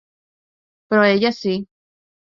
Però ella sí.